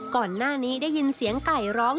ก่อนหน้านี้ได้ยินเสียงไก่ร้อง